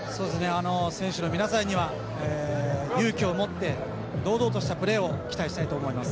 選手の皆さんには勇気を持って堂々としたプレーを期待したいと思います。